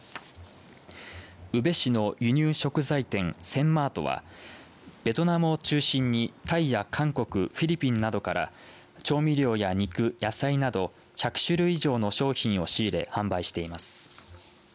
宇部市の輸入食材店、Ｓｅｎｍａｒｔはベトナムを中心にタイや韓国、フィリピンなどから調味料や肉、野菜など１００種類以上の商品を仕入れ販売しています。